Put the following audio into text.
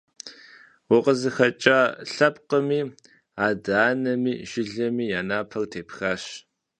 УкъызыхэкӀа лъэпкъыми, адэ анэми, жылэми я напэр тепхащ.